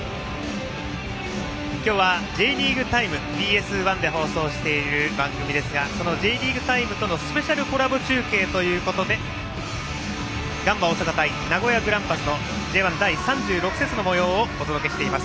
今日はＢＳ１で放送している「Ｊリーグタイム」とのスペシャルコラボ中継ということでガンバ大阪対名古屋グランパスのＪ１第３６節のもようをお届けしています。